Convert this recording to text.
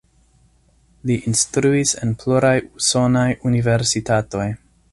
Li instruis en pluraj usonaj universitatoj.